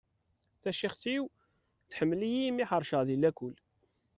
Tacixet-iw tḥemmel-iyi imi ḥerceɣ di lakul.